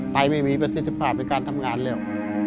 ไม่มีประสิทธิภาพในการทำงานแล้ว